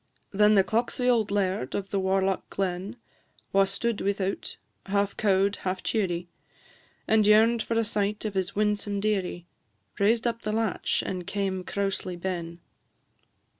Then the clocksie auld laird of the warlock glen, Wha stood without, half cow'd, half cheerie. And yearn'd for a sight of his winsome dearie, Raised up the latch and came crousely ben.